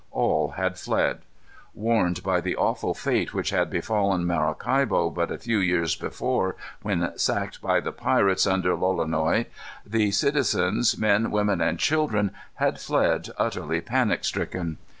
All had fled. Warned by the awful fate which had befallen Maracaibo, but a few years before, when sacked by the pirates under Lolonois, the citizens, men, women, and children, had fled utterly panic stricken.